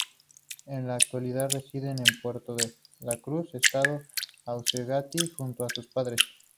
En la actualidad residen en Puerto La Cruz, estado Anzoátegui, junto a sus padres.